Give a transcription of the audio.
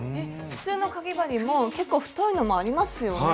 普通のかぎ針も結構太いのもありますよね。